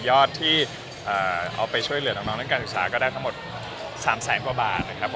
ยอดที่เอาไปช่วยเหลือน้องเรื่องการศึกษาก็ได้ทั้งหมด๓แสงกว่าบาท